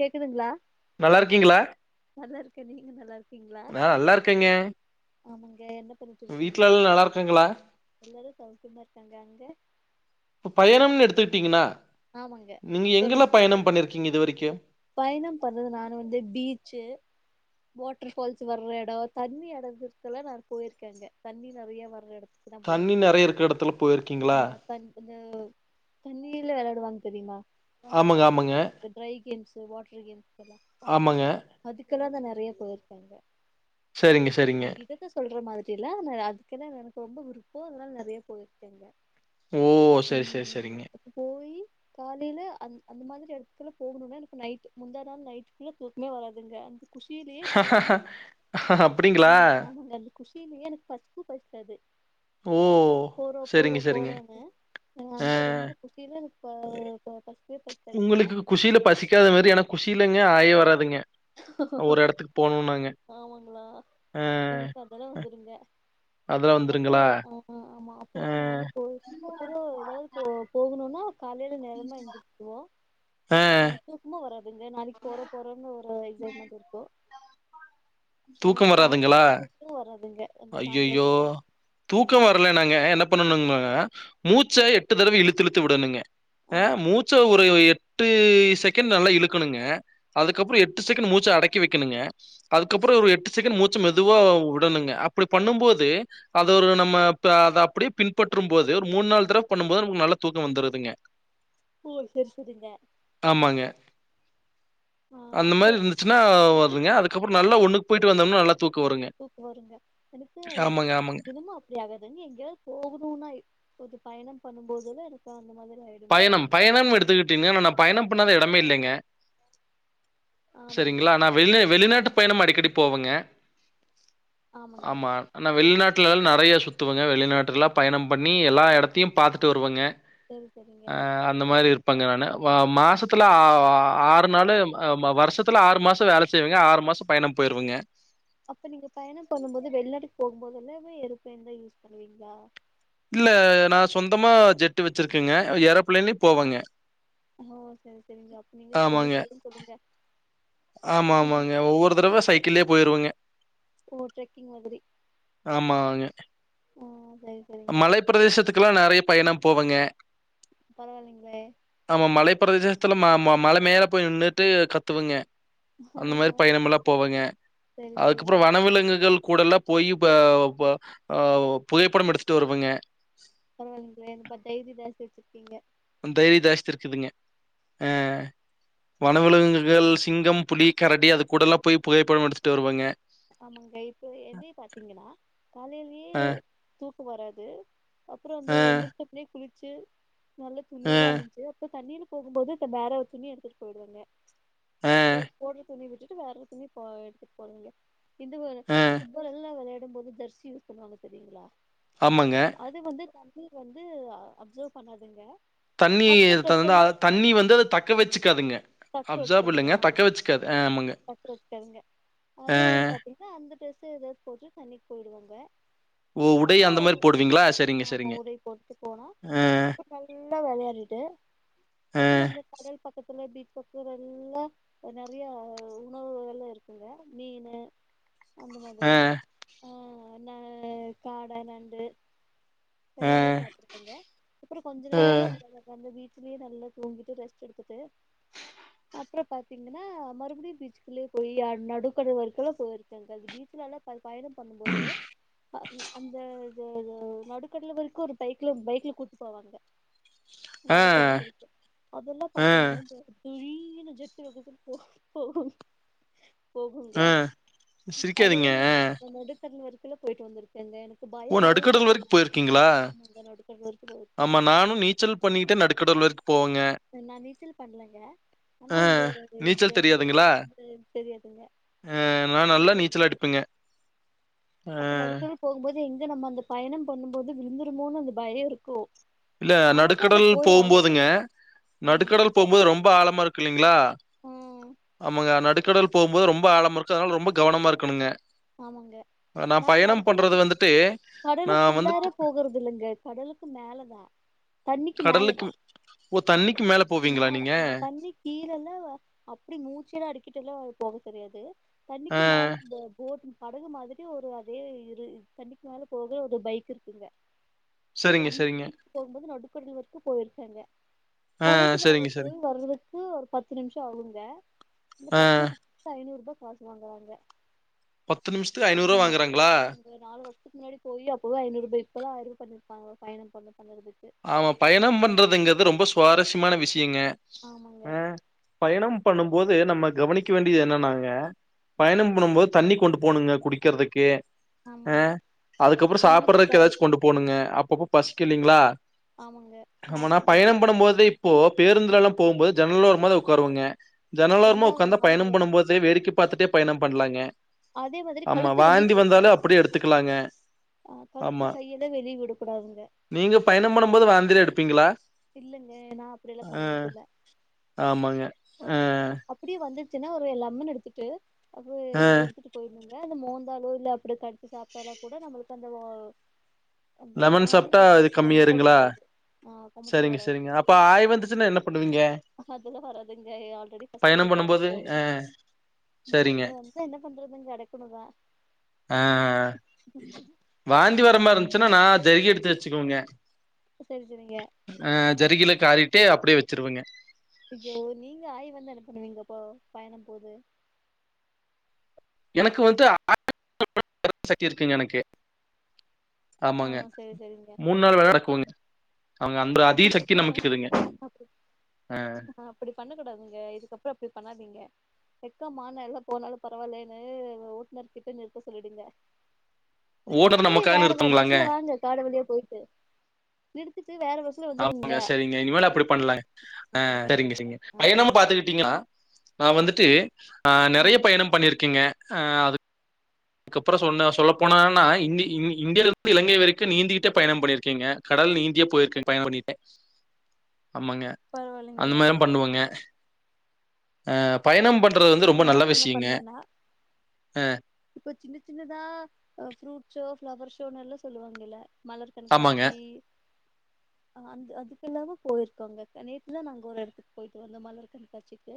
கேக்குதுங்களா நல்லா இருக்கீங்களா நல்லா இருக்கே நீங்க நல்லா இருக்கீங்களா நா நல்லா இருக்கேங்க ஆமா ங்க என்ன பண்ணிட்டருக்கீங்க வீட்ல எல்லா நல்லா இருக்காங்களா எல்லாரு சௌக்கியமா இருக்காங்க அங்க இப்ப பயணம்னு எடுத்துக்கிட்டீங்கன்னா ஆமாங்க நீங்க எங்கெல்லா சொல்லுங்க பயணம் பண்ணிருக்கீங்க இது வரைக்கு பயணம் பண்றது நானு வந்து பீச்சு வாட்டர் ஃபால்ஸ் வர்ற எட தண்ணி எடத்துதல்லா நா போயிருக்கேங்க தண்ணி நெறைய வர்ற எட நா தண்ணி போய்ருகே நெறைய இருக்க எடத்துல போயிருக்கீங்களா ஆஹ் [unintelligible] இந்த தண்ணீல விளையாடுவாங்க சரிமா ஆமங்க ஆமங்க ஒ வாட்டர் கே ஆமங்க இதுக்கெல்லாதா நெறையா போயிருக்காங்க சரிங்க சரிங்க ஆஹ் இதுதா சொல்ற மாரி [unintelligible] அதுக்குதா எனக்கு ரொம்ப புடிக்கு அதனால நெறைய போயிருக்கேங்க ஓ சரி சரி உம் சரிங்க அப்ப போயி காலையில அந் அந்த மாரி எடத்துல போகணும்னா எனக் நைட் முந்தா நாள் நைட்க்குள்ள தூக்கமே வராதுங்க குஷியிலேயே நா வந்து அப்டிங்களா ஆமங்க குஷிலயே எனக்கு பசிக்கு ப அது ஓ போறோ சரிங்க போறோ சரிங்க போறோன்னு ஆ வந்து ரொம்ப குசில எனக்கு ப பசிக்கவே பசிக்காதுங்க எனக்கு குஷியிலங்க ஆய வராதுங்க ஒரு எடத்துக்கு போணும்னாங்க ஆமாங்களா ஆ எனக்கு அதல்லா வந்துருங்க அதெல்லா அப்புறோ வந்துருங்களா ஆஹ் ஆமா ஆ அப்புறோ நானு போய் அப்றோ ஏதாவது போ போக [unintelligible] காலையில நேரமா எந்திரச்சக்குவோ ஆ ஆஹ் தூக்கமே வராதுங்க நாளைக்கு போற போறோன்னு ஆஹ் இது என்னாது இருக்கு ஆ தூக்கம் ச வராதுங்களா உப்பு வராதுங்க அந்த ஐய்யய்யோ சாந்தோசத்துல தூக்கம் வரல நாங்க பண்ணனுங்க மூச்ச எட்டு தடவை இழுத்து இழுத்து விடணுங் ஆமா ஆஹ் மூச்ச உற உ எட்டு செகண்ட் நல்லா இழுக்கணுங்க அதுக்கப்புறோ எட்டு செக்கெண்ட் மூச்ச அடக்கி வெக்கணுங்க அது அதுக்கப்புறோ ஒரு எட்டு செகண்ட் மூச்ச மெதுவா விடணுங்க அப்படி பண்ணும் போது அது ஒரு நம்ம அதை அப்படியே பின்பற்றும் போது ஒரு மூணு நாள் தடவ பண்ணும் போது நமக்கு நல்ல தூக்கோ வந்துருதுங்க ஓ செரி செரிங்க ஆமாங்க. அந்த மாரி இருந்துச்சுன்னா வருதுங்க அதுக்கப்புறோ ஒன்னக்கு போயிட்டு வந்தம்ன நல்லா தூக்கம் வருங்க. தூக்கோ வருங்க எனக்கு ஆமாங்க, ஆமாங்க. தினமு அப்படி ஆகாதுங்க எங்கேயாவது போகணுனா ஒரு பயணம் பண்ணும் போதுல எனக்கு அந்த மாதிரி ஆயிடுங்க பயணம் பயணம்னு எடுத்துக்கிட்டீங்கன்ன ந பயணம் பண்ணாத எ டமே இல்லைங்க ஆமாங்க சரிங்களா ஆனா வெளிந வெளிநாட்டு பயணம் அடிக்கடி போவங்க ஆமாங்க ஆமா ஆனா வெளிநாட்டு வெளி நாட்டுலல்லா நறைய சுத்துவங்க வெளிநாட்டுலல்ளா பயணம் பண்ணி எல்லா எடத்தையு பாத்துட்டு வருவங்க செரி ஆ அந்த மாரி இருக்கு இருப்பாங்க நானு மாசத்துல ஆ ஆறு நாள் வருஷத்துல ஆறு மாசோ வேல செய்வங்க ஆறு மாசோ பயணம் போயிருவங்க அப்ப நீங்க பயணம் பண்ணும் போது வெளிநாட்டுக்கு போகும் போதெல்லாமே ஏரோபிளான் தா யூஸ் பண்ணுவீங்களா இல்ல நா சொந்தமா ஜெட்டு வச்சிருக்கேங்க ஏற பிளன்லயு போவங்க ஓ சேரி சேரிங்க அப்ப நீங்க ஆமாங்க. கோடீஸ்வருனு சொல்லுங்க ஆமா ஆமாங்க ஒவ்வொரு தடவை சைக்கிள்ளேயே போயிருவங்க ஓ ட்ரக்கிங் மாதிரி ஆ சரி சரிங்க மலைப்ப பிரதேசத்துக்கெல்லா நறைய பயணம் போவங்க பரவாளங்களே மலை பிரதேசத்துல ம மழை மேல போய் நின்னுட்டு கத்துவங்க அந்த மாரி பயணமெல்லா போவங்க சரி அதுக்கப்புறோ சரிங்க வனவிலங்குகள் கூடல்லா போயி போ ஆ ஆ புகைப்படம் எடுத்து துட்டு வருவங்க பரவாலங்களே ரொம்ப தைரியோ தாஸ்தி வெச்சிருக்கிங்க தைரிய ஜாஸ்தி இருக்குதுங்க ஆ வனவிலங்குகள் சிங்கம் புளி கரடி அது கூடலா போய் புகைப்படம் எடுத்துட்டு வருவங்க ஆமாங்க இப்ப என்னைய பாத்திங்கனா காலையிலேயே தூக் கோ வராது அப்புரோ அந்த ஆ எந்திரச்ச பின்னாடி குளிச்சு [unintelligible] [unintelligible] ஆ ஆ [unintelligible] [unintelligible] ஆ [unintelligible] [unintelligible] ஆமாங்க அது [unintelligible] மத்த ட்ரெஸ் தண்ணீதந்தா எல்லா தண்ணி வந்து அதை தக்க வச்சுக்காதுங்க அப்சார்ப் இல்லங்க தக்க வச்சுக்காது ஆ ஆமாங்க [unintelligible] ஆ [unintelligible] ஓ உடை அப்போ அந்த மாதிரி போடுவீங்களா சரிங்க ஆமா சரிங்க உதை போட்டு போனா ஆஹ் [unintelligible] [unintelligible] [unintelligible] ஆ [unintelligible] [unintelligible] ஆ [unintelligible] [unintelligible] அப்புறம் பாத்தீங்கனா மறுபடியும் பீச்சூக்குள்ளேயே போயி நடுக்கடல் வரைக்கும் போயிருக்கே பயணம் பண்ணும்போது அந்த நடுக்கடல் வரைக்கும் ஒரு பைக்ல பைக்ல கூட்டிட்டு போவாங்க ஆ ஆ நடுப்பற இருக்கு அதெல்லாம் பாத்தீங்கன்னா ஆ உய்ங்கனு ஜட்டு வ போ போகும் போகுங்க ஆ அதுல சிரிக்காதீங்க நம்ம நடுக்கடல் வரைக இப்பபோயிட்டு வந்திருக்கேங்க ஓ பயம் வருது நடுக்கடல் வரைக்கும் போயிருக்கீங்களா ஆமாங்க நடுக்கடல் வரைக்கும் போயிருக்கே ஆமா நானும் நீச்சல் பண்ணிட்டே நடுக்கடல் வரைக்கும் போவேங்க. நான் நீச்சல் பண்ணலங்க ஆனா ஆ இந்த ஹ நீச்சல் த தெரியாதுங்களா? ஹ தெரியாதுங்க அ நான் ந நல்லா நீச்சல் இருக்க அடிப்பேங்க. அ அப்புறம் அடுத்த தடவ போகும்போது எங் நம்ம அந்த பயணம் பண்ணும் போது விழுந்துடுமோனு அந்த பயம் இருக்கும் இல்ல நடுக்கடல் போகும்போதுங்க ஆமாங்க நடுக்கடல் போகும்போது ரொம்ப ஆழமா இருக்கு இல்லீங்களா ஆ ஆமாங்க நடுக்க கடல் போகும்போது ரொம்ப ஆழம் இருக்கு அதனால ரொம்ப கவனமா இருக்கனுங்க ஆமாங்க நாங்க நடுக்கல வந்துட்டு, கடலுக்கு நான் உள்ளார வந்துட்டு போகறதில்லங்க கடலுக்கு மேல தா தண்ணிக்கு கடலுக்கு மேலதா ஓ! தண்ணிக்கு மேல போவீங்களா மேல நீங்க? ஆஹ் தண்ணி கீழல்லா அப்பிடி மூச்சுலா அடக்கிட்டு எல்லா போக தெரியாது ஆ தண்ணிக்கு மேல படகு மாதிரி ஒரு அதே இரு தண்ணிக்கு மேல போக ஒரு பைக் இருக்குங்க சரிங்க, அந்த சரிங்க. பீச்சுக்கு போகும்போது நடு கடல் வரைக்கு போயிருக்கங்க ஆ போயிட்டு சரிங்க, சரிங்க. வர்றது வர்து ஒரு பத்து நிமிஷ ஆகுங்க இந்த ஆ பத்து லட்சத்து ஐநூறு ருபா காசு வாங்கறாங்க நிமிஷத்துக்கு ரூ. ஆமா வாங்குறாங்களா? ஆமாங்க நாலு வருஷத்துக்கு முன்னாடி போயி அப்பவே ஐநூறு ரூபாய இப்பல்லா அதிக பண்ணிருப்பாங்க பயணம் பண்ண பண்ணதுக்கு ஆமா பயணம் என் பண்றதுங்கிறது ரொம்ப சுவாரஸ்யமான விஷய ங்க ஆமாங்க ஆஹ் பயணம் பண்ணும் போது நம்ம கவனிக்க வேண்டியது என்னன்னாங்க பயணம் பண்ணும் போது தண்ணி கொண்டு போணுங்க குடிக்கறதுக்கு ஆமா அஹ் அதுக்கப்புற சாப்புடறக்கு எலுமிச்சக்காய் ஏதாச்சு கொண்டு போணுங்க அ அப்பப்ப பசிக்கு இல்லைங்களா ஆமாங்க ஆமானா ஸ்நாக்ஸ் ஐட்டம் பயணம் பண்ணும் போது இப்போ பேருந்துலல்லா போகும் போது ஜன்னல் ஒரமாத உக்காருவங்க ஜன்னல் ஓரமா ஏன்னா ஒக்காந்தா பயண வாமிட் வருங்க பண்ணும்ப போதே வேடிக்கை பாத்துட்டே பயணம் பண்ணலாங்க அதே மாதிரி கழுத்து வெளிய விடக்கூடாதுங்க அப்டியே எடுத்துக்கலாங்க ஆ கழுத்து ஆமா கையெல்லா வெளிய விடக்க கூடாதுங்க சும்மான்னும் போது வாந்திலா எடுப்பீங்களா நா அப்டியெல்லா அ பண்ணதில்ல ஆமாங்க அ அப்டியே வந்துருச்சின்னா ஒரு லெமன் எடுத்துட்டு அ இல்ல அத மோந்தாலோ இல்ல அப்டி கடிச்சி சாப்டாலோ கூட நம்மளுக்கு அந்த வாவ் அந்தா லெமன் வாந்தி வரோ கொமட்டல் வராது ஆ கொமட்டல் செரிங்க வராது செரிங்க அப்ப ஆய் வந்துச்சுன்னா என்ன பண்ணுவீங்க பயணம் கஷ்டப்பட்டா பண்ணும்போது போகு சரிங்க அது வந்து என்ன பண்றது கெடைக்கணும்தா ஆ வாந்தி வரமாரி இருந்துச்சுன்னா நா ஜெர்க்கி எடுத்து வச்சுக்கோங்க சரி சரிங்க ஜருகில காரிட்டே அப்டியே வச்சிருவங்க ஓ நீங்க ஆய வந்து என்ன பண்ணுவீங்கப்போ பயணம் போது எனக்கு வந்து [unintelligible] சக்தி இருக்குங்க எனக்கு ஆ ஆமாங்க மூணு நாள் வேலை நடக்குவங்க அவங்க அந்த அதீத சக்தி நமக்கு இருக்குதுங்க ஆ அப்படி பண்ணக்கூடாதுங்க இதுக்கப்புறோ அப்பிடி பண்ணாதீங்க கே வெக்கோ மானல்லா போனாலு பரவால்லேன்னு ஓட்டுநர் கிட்ட நிறுத்த சொல்லிடுங்க ஓனர் நிறுத்துட்டு நமக்காக வேற நிறுத்துங்களாங்க பஸ்ல வாங்க காடை வழியா போயிட்டு நிருத்துட்டு வேற பஸ்ல வந்துருங்க ஆமாங்க சரிங்க இனிமேல அப்படி பண்ணலாங்க ஆ அப்படி சரிங்க பண்ணிக்கோங்க சரிங்க ஆமா பயணம் பாத்துக்கிட்டீங்கன்னா நா வந்துட் ட்டு ஆ நெறைய ஆமாங்க பயணம் பண்ணிருக்கீங்க ஆ அது அதுக்கப்புற சொன்ன சொல்ல போனன்னா இந்த இந்தியில இருந்து இங்கை வரைக்கு நீந்திகிட்டே பயணம் பண்ணிருக்கீங்க கடல் நீந்தியே போயிருக்கேங்க பயணம் பண்ணிருகே ஆமாங்க அந்த பரவாயில்லைங்களே மாரியு பண்ணுவாங்க அ பயணம் படுத் ட்டுறது வந்து ரொம்ப நல்ல நானு என்ன விஷ்யோங்க பண்ணுவேன்னா அ இப்ப சின்ன சின்னதா் அ ஃப்ரூட் ஷோ பஃளவர் ஷோன்னல்லா சொல்லுவாங்கல்ல மலர் ஆமாங்க. கண்காட்சி அந்த அதுக்கு எல்லாமு போயிருக்கங்க நேத்துதா நாங்க ஒரு எடத்துக்கு போயிட்டு வந்தோ மலர் கண்காட்சிக்கு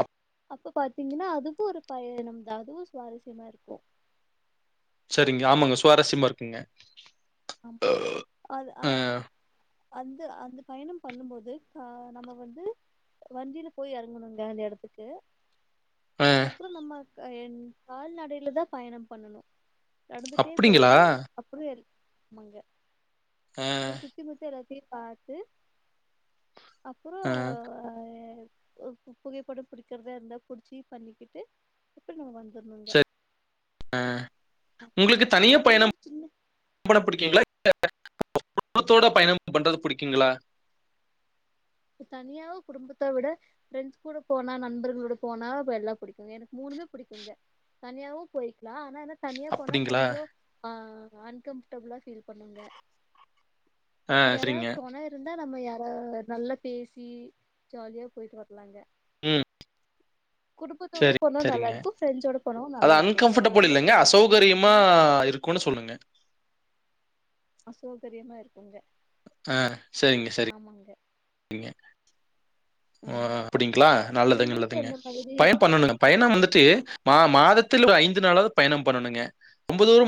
அப் அப்ப பாத்தீங்கன்னா அதுக்கு ஒரு பயணம் தா அதுவு ஸ்வாரஸ்யமா இருக்கு செரிங்க ஆமாங்க சுவாரஸ்யமா இருக்குங்க ஆமா அது அஹ் அந்த அந்த பயணம் பண்ணும்போது ஆ நம்ம வந்து வண்டியில போய் எறங்கணுங்க அந்த எடத்துக்கு ஆ அப்பறோ நம்ம என் கால்நடையில தா பயணம் பண்ணணு நடந்துட்டே அப்படிங்களா? போயி அப்புறோ எடுத் ஆமாங்க ஆ, அது சுத்திமுத்தி யாரது இப்பிடி பாத்து அப்புறோ ஆ. ஒரு புகைப்படோ பிடிக்கறதா இருந்தா புடிச்சி பண்ணிக்கிட்டு எப்படி நம்ம வந்துருணுங்க ஆ உங்களுக்கு தனிய அந்த பயணோ மாரி சின்ன பண்ண பிடிக்கீங்களா [inaudible] குடுபத்தோட பயணோ பண்றது புடிக்குங்களா இப்ப தனியாவோ குடும்பத்த விட ஃப்ரெண்ட்ஸ் கூட போனா நண்பர்களோட போனா எல்லா புடிக்குங்க எனக்கு மூணுமே புடிக்குங்க தனியாவு போய்க்கலா ஆனா எனக்கு தனியா போனா அப்படிங்களா? கொஞ்சோ ஆஹ் அன்கம்ஃபர்டபுளா ஃபீல் பண்ணுங்க ஆ சரிங்க. யாராவது தொண இருந்தா நம்ம யாரவது நல்ல பேசி ஜாலியா போயிட்டு வரலாங்க ம். குடும்பத்தோட சரி, போனா நல்லா சரிங்க. இருக்கு ஃப்ரெண்ட்சோட போனாவு அது நல்லா இருக்குங்க அன்கம்ஃபர்டபுள் எல்லாமே இல்லங்க. ஜொல் அசௌகரியமா எனக்குலா இருக்கும்னு சொல்லுங்க. அசோகரியமா இருக்குங்க ஆஹ் செரிங்க செரி ஆமாங்க இங்க ஆ ம் ஆ அப்டிங்களா நல்லதுங்க உங்களுக்கு நல்லதுங்க எந்த மாதிரி பயன் இருக்கப்ப பண்ணணுங்க பயணோ புடிக்குங்க வந்துட்டு மா மாதத்தில் ஒரு ஐந்து நாளாவது பயணோ பண்ணணுங்க ரொம்ப தூரோ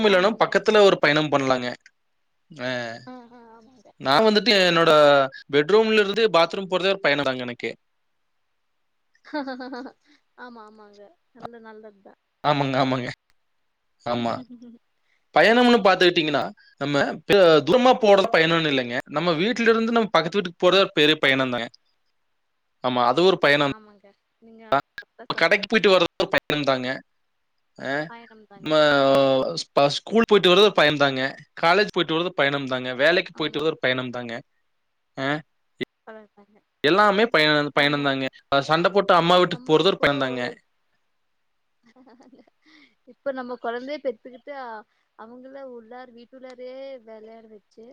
னு இல்லனா ஆமாங்க பக்கத்துல ஒரு பயணம் பண்ணலாங்க அ ஆ ஆ ஆமாங்க நா வந்துட்டு என்னோட ஆ பெட்ரூம்ல இருந்து பாத்ரூம் போறத ஒரு பயணோ தாங்க எனக்கு ஆமா ஆமாங்க நல்ல நல்லது தா ஆமாங்க ஆமாங்க ஆமா பயணம்னு பாத்தி ங்கன்னா நம்ம தூரமா போறது பயணோன்னு இல்லைங்க நம்ம வீட்டில இருந்து நம்ம பக்கத்து வீட்டுக்கு போறது பெரிய பயண பக்கத்துல தாங்க ஆமா அது து ஒரு பயணம் ஆமாங்க நீங்க நா கடைக்கு போயிட்டு வரு து பயணம் தாங்க அஹ் பயணம் தாங்க மஹ ப ஸ்கூல் போயிட்டு வருறது ஒரு பயணதாங்க காலேஜ் போயிட்டு வருறது பயணம்தாங்க வேலைக்கு போயிட்டு ஆமா வரது ஒரு பயணம் தாங்க அஹ் அ எல்லாமே பயண பயணந்தாங்க அஹ் சண்ட போட்டு அப் நம்ம இப்போ ஒரு இப்ப நம்ம கொழந்தைய பெத்துக்கிட்டு அவங்கல்லா உள்ளார் வீட்டுள்ளாரே வெளையாட வச்சு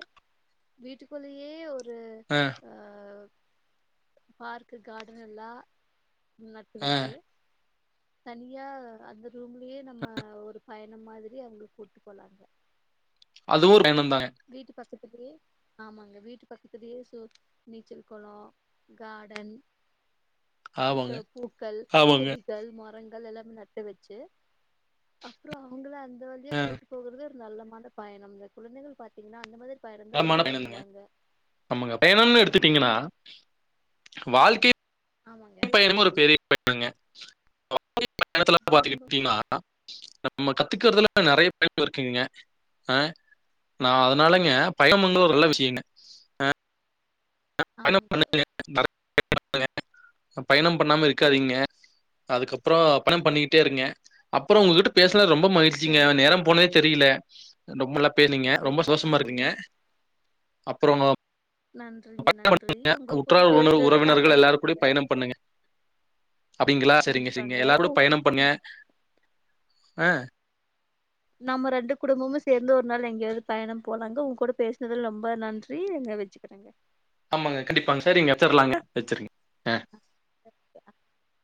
வீட்டுக்குள்ளேயே ஒரு ஆஹ் அ பார்க்கு கார்டன் எல்லா நட்டு அ வெச்சு தனியா அந்த ரூம்லயே நம்ம ஒரு பயணம் மாதிரி அங்க கூட்டு போலாங்க அது ஒரு பயணந்தானே க்கத்துலயே ஆமாங்க வீட்டு பக்கத்திலேயே சோ நீச்சல் கொளோ கார்டன் ஆமாங்க இத்தன பூக்கள் ஆமாங்க செடிகள் மரங்கள் எல்லா நட்டு வெச்சு அப்றோ அவங்கள அந்த வழியா கூட்டு போகறது ஒரு நல்ல மாந்த பயணம்ங்க குழந்தைகள் பா திங்கனா அந்த மாதிரி பயணந்தா ரொம்ப [unintelligible] பயணங்க விரும்புவாங்க ஆமாங்க பயணம்னு ஆமாங்க எடுத்துட்டீங்கன்னா வாழ்க்கை ஆமாங்க [inaudible] ஒரு பெரிய பயணங்க ஓ [inaudible] பயணத்துல பாத்துகிட்டிங்கனா நம்ம கத்துக்கறதுல நெறைய பயண இருக்குங்க ஆஹ் நா அதனாலங்க பயணம் பண்றது ஒரு நல்ல விஷயங்க அஹ் [inaudible] [inaudible] ஆமாங்க பயணம் பண்ணாம இருக்காதீங்க அதுக்கப்புறோ பயணம் பண்ணிக்கிட்டே இருங்க அப்புறோ உங்ககிட்ட பேச துல ரொம்ப மகிழ்ச்சிங்க சரிங்க நேரம் கண்டிப்பா போனதே தெரியல ரொம்பலா பேர்னீங்க ரொம்ப சரிங்க சந்தோஷமா ஆமாங்க இருக்குங்க அப்புறமா நன்றிங்க நன்றி உங்க [inaudible] கூட உற்றார் உறவினர் பேசுறது உறவினர்கள் நல்லா எல்லார் இருக்குங்க கூடயும் பயணம் பண்ணுங்க அப்டிங்களா சரிங்க சரிங்க கண்டிப்பாங்க எல்லாரு கூட உ- பயணம் பண்ணுங்க உங்க- ஆஹ் நம்ம ரெண்டு குடும்பமு சேர்ந்து ஒரு நாள் எங்கயாவது பயணம் போலாங்க உங்க கூட பேசுனதுல ரொம்ப நன்றி எங்க வச்சுக்கிறங்க ஆமாங்க கண்டிப்பாங்க சரிங்க வச்சரலாங்க வச்சுருங்க [inaudible]